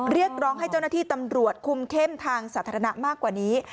เรียกร้องให้เจ้าหน้าที่ตำรวจคุมเข้มทางสาธารณะมากกว่านี้